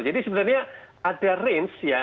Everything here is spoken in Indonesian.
jadi sebenarnya ada range ya